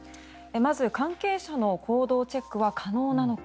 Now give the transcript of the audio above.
まず関係者の行動チェックは可能なのか。